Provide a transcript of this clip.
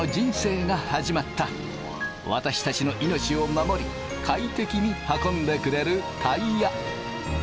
私たちの命を守り快適に運んでくれるタイヤ。